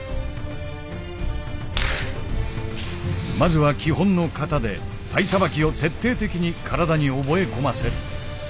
まずは基本の型で体さばきを徹底的に体に覚え込ませる。